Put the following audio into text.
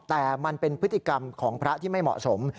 แต่มันเป็นพฤติกรรมของพระที่ไม่เหมาะสม